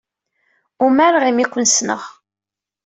Umareɣ imi ay ken-ssneɣ.